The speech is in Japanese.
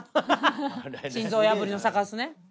心臓破りの坂っすね。